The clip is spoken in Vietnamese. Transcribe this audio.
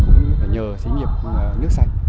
cũng phải nhờ sĩ nghiệp nước sạch